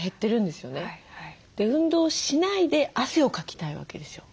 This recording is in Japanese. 運動しないで汗をかきたいわけですよ。